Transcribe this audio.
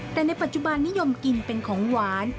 แต่ในปัจจุบันนิยมกินเป็นของหวาน